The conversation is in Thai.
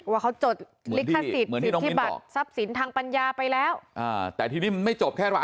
ว่าเขาจดลิขสิทธิบัตรทรัพย์สินทางปัญญาไปแล้วแต่ที่นี่มันไม่จบแค่ร้านเดียว